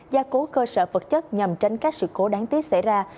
gia cố cơ sở vật chất nhằm tránh các sự cố đáng tiếc xảy ra